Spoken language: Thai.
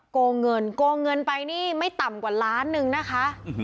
โกงเงินโกงเงินไปนี่ไม่ต่ำกว่าล้านนึงนะคะ